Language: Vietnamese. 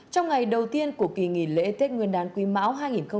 trong ngày đầu tiên của kỳ nghỉ lễ tết nguyên đán quy mão hai nghìn hai mươi ba